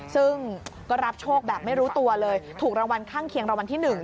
ซึ่งก็รับโชคแบบไม่รู้ตัวเลยถูกรางวัลข้างเคียงรางวัลที่๑